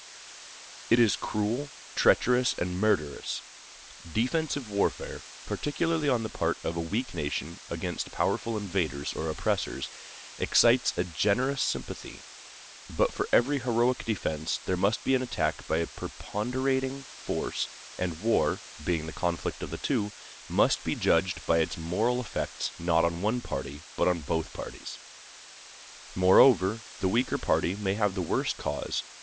It is cruel, treacherous, and murderous. Defensive warfare, particularly on the part of a weak nation against powerful invaders or oppressors, excites a generous sympathy; but for every heroic defense there must be an attack by a preponderating force, and war, being the conflict of the two, must be judged by its moral effects not on one party, but on both parties. Moreover, the weaker party may have the worse cause.